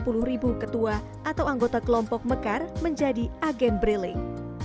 di sisi enam puluh ribu ketua atau anggota kelompok mekar menjadi agen briling